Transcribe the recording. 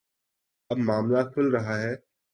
اب معاملہ کھل رہا ہے۔